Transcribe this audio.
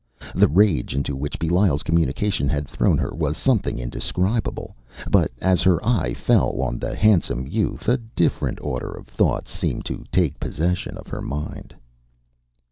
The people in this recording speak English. The rage into which Belial’s communication had thrown her was something indescribable; but, as her eye fell on the handsome youth, a different order of thoughts seemed to take possession of her mind.